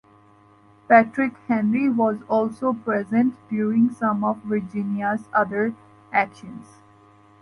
"Patrick Henry" was also present during some of "Virginia"'s other actions.